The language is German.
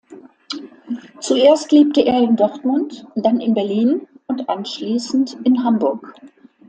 Zuerst lebte er in Dortmund, dann in Berlin und anschließend in Hamburg.